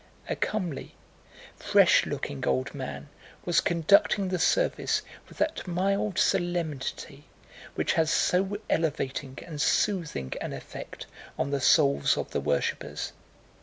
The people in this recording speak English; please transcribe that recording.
A comely, fresh looking old man was conducting the service with that mild solemnity which has so elevating and soothing an effect on the souls of the worshipers.